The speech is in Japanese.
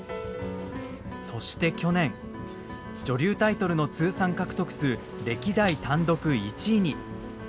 そして去年女流タイトルの通算獲得数歴代単独１位に。